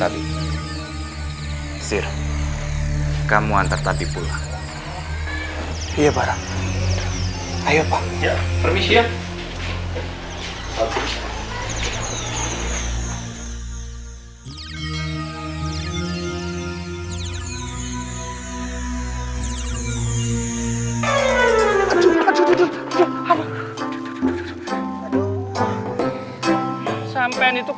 tidak ada apa apa wani